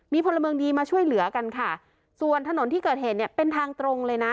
มีพลเมืองดีมาช่วยเหลือกันค่ะส่วนถนนที่เกิดเหตุเนี่ยเป็นทางตรงเลยนะ